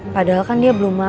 padahal kan dia belum mampu